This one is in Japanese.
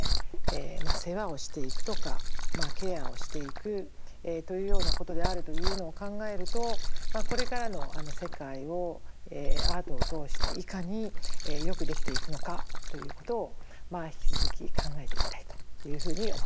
世話をしていくとかケアをしていくというようなことであるというのを考えるとこれからの世界をアートを通していかによくできていくのかということを引き続き考えていきたいというふうに思っています。